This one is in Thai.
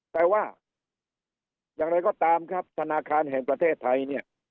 แต่ว่าอย่างไรก็ตามครับธนาคารแห่งประเทศไทยเนี่ย